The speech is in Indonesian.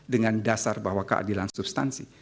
dengan dasar bahwa keadilan substansi